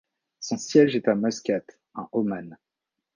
Son siège est à Muscat, en Oman.